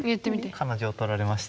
彼女を取られました。